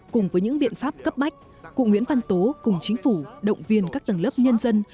cùng với những biện pháp cấp bách cụ nguyễn văn tố cùng chính phủ động viên các tầng lớp nhân dân